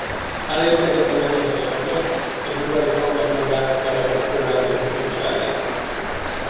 Elérkezett a menyegző napja, s az udvari papnak magának kellett megkoronázni az ifjú királynét.